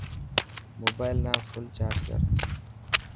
موبال نا ڦل چارج ڪر.